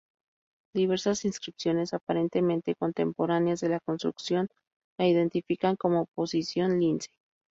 Diversas inscripciones aparentemente contemporáneas de la construcción la identifican como Posición Lince.